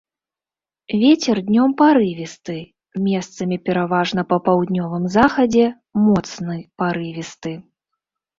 Вецер днём парывісты, месцамі, пераважна па паўднёвым захадзе, моцны парывісты.